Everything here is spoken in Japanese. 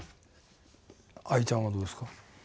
藍ちゃんはどうですか？